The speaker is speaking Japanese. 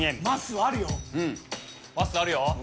まっすーあるよ。